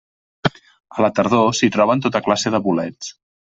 A la tardor, s'hi troben tota classe de bolets.